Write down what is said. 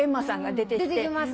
出てきます。